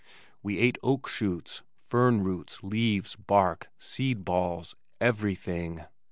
We ate oak shoots, fern roots, leaves, bark, seed balls, everything!